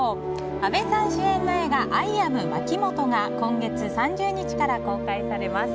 阿部さん主演の映画「アイ・アムまきもと」が今月３０日から公開されます。